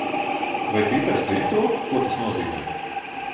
Vai Pīters zina to, ko tas nozīmē?